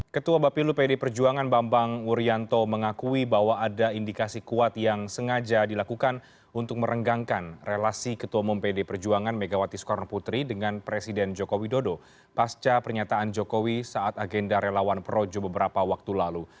ketua bapilu pd perjuangan bambang wuryanto mengakui bahwa ada indikasi kuat yang sengaja dilakukan untuk merenggangkan relasi ketua umum pd perjuangan megawati soekarno putri dengan presiden joko widodo pasca pernyataan jokowi saat agenda relawan projo beberapa waktu lalu